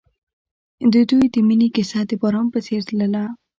د دوی د مینې کیسه د باران په څېر تلله.